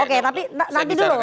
oke tapi nanti dulu